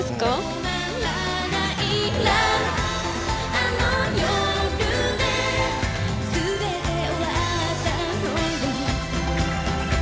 あの夜で全て終わったのよ